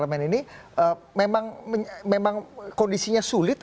memang kondisinya sulit